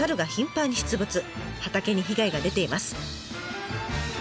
畑に被害が出ています。